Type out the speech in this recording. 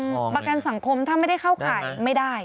ประกันสังคมประกันสังคมถ้าไม่ได้เข้าข่ายไม่ได้